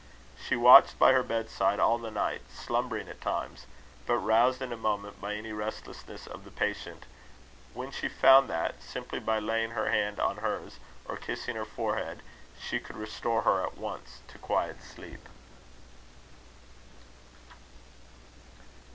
She watched by her bedside all the night, slumbering at times, but roused in a moment by any restlessness of the patient; when she found that, simply by laying her hand on hers, or kissing her forehead, she could restore her at once to quiet sleep.